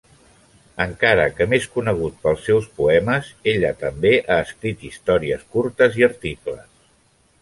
Encara que més conegut pels seus poemes, ella també ha escrit històries curtes i articles.